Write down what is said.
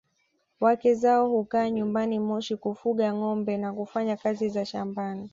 Wake zao hukaa nyumbani Moshi kufuga ngombe na kufanya kazi za shambani